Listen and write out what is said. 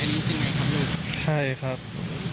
อันนี้จริงไหมครับลูก